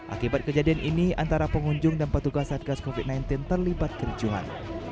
akibat kejadian ini antara pengunjung dan petugas satgas covid sembilan belas terlibat kericuhan